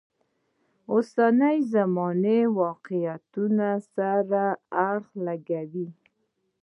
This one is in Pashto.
اوسنۍ زمانې واقعیتونو سره اړخ لګوي.